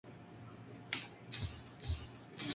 Más tarde comienza una etapa impresionista en su obra.